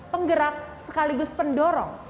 penggerak sekaligus pendorong